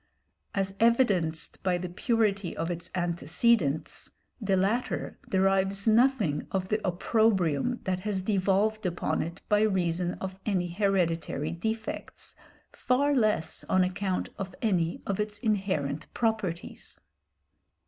As evidenced by the purity of its antecedents, the latter derives nothing of the opprobrium that has devolved upon it by reason of any hereditary defects, far less on account of any of its inherent properties.